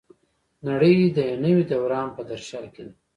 نړۍ د یو نوي دوران په درشل کې ده.